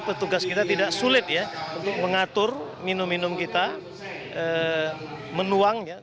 petugas kita tidak sulit ya untuk mengatur minum minum kita menuang ya